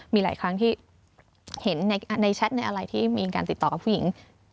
มีหลายครั้งที่เห็นในแชทในอะไรที่มีการติดต่อกับผู้หญิง